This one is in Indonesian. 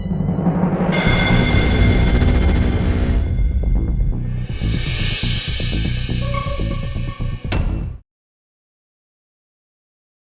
masuk ke tempat yang paling bebas